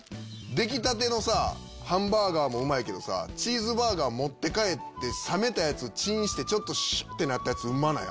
出来たてのさハンバーガーもうまいけどチーズバーガー持って帰って冷めたやつチンしてちょっとしゅってなったやつうまない？